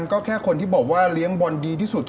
ก็แค่คนที่บอกว่าเลี้ยงบอลดีที่สุด